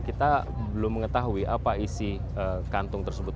kita belum mengetahui apa isi kantung tersebut